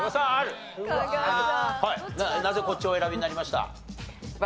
なぜこっちをお選びになりました？